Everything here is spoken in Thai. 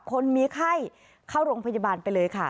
คนมีไข้เข้าโรงพยาบาลไปเลยค่ะ